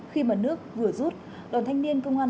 khi mà nước vừa rút đoàn thanh niên công an